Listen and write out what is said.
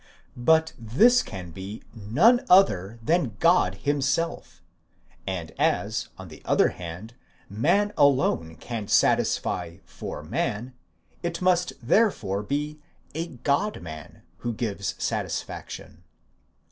But this can be none other than God himself; and as, on the other hand, man alone can satisfy for man: it must therefore be a God man who gives satisfaction.